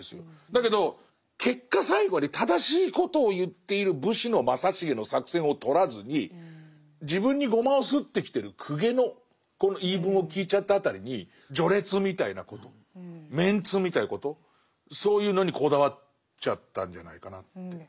だけど結果最後まで正しいことを言っている武士の正成の作戦を取らずに自分にごまをすってきてる公家のこの言い分を聞いちゃった辺りに序列みたいなことメンツみたいなことそういうのにこだわっちゃったんじゃないかなって。